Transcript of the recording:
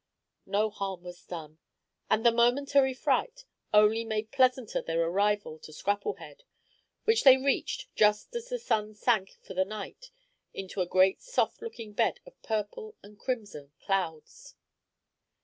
no harm was done, and the momentary fright only made pleasanter their drive to Scrapplehead, which they reached just as the sun sank for the night into a great soft looking bed of purple and crimson clouds.